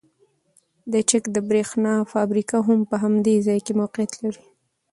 د چک د بریښنا فابریکه هم په همدې ځای کې موقیعت لري